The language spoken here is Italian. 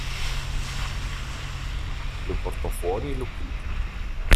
Lo portò fuori e lo pulì.